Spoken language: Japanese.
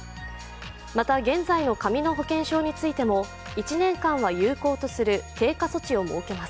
また、現在の紙の保険証についても１年間は有効とする経過措置を設けます。